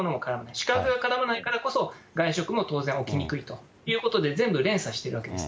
宿泊が絡まないからこそ、外食も当然起きにくいということで、全部連鎖してるわけです。